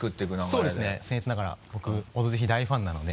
そうですね僭越ながら僕「オドぜひ」大ファンなので。